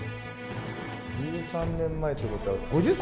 １３年前って事は５０歳？